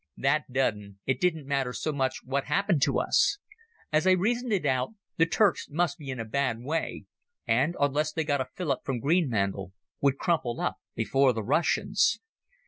That done, it didn't matter so much what happened to us. As I reasoned it out, the Turks must be in a bad way, and, unless they got a fillip from Greenmantle, would crumple up before the Russians.